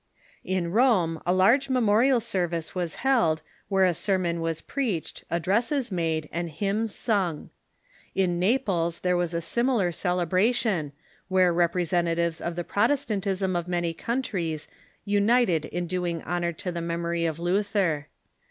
In Rome a large memorial service was held, where a sermon was preached, addresses made, and hymns sung. In Naples there was a similar celebration, where representatives of the Protestantism of many countries united in doing honor to the memory of Luther.